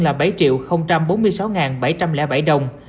là bảy bốn mươi sáu bảy trăm linh bảy đồng